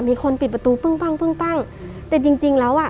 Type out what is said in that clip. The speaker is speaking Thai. มีคนปิดประตูปึ้งปั้งปึ้งปั้งแต่จริงจริงแล้วอ่ะ